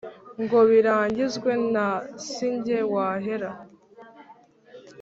ngo birangizwe na si nge wahera